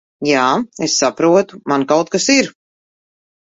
Jā, es saprotu. Man kaut kas ir...